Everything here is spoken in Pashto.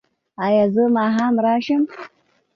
ایا زه ماښام راشم؟